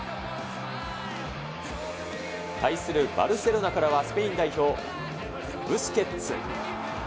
対するバルセロナからはスペイン代表、ブスケッツ。